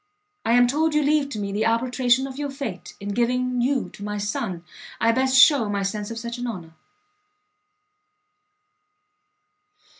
I am told you leave to me the arbitration of your fate, in giving you to my son, I best shew my sense of such an honour.